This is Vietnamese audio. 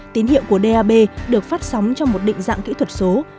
tín hiệu của dap được phát sóng trong một định dạng kỹ thuật số